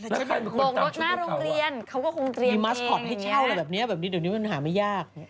แล้วใครเป็นคนตามชุดของเขาว่ะมีมัสคอตให้เช่าแบบนี้เดี๋ยวนี้มันหาไม่ยาก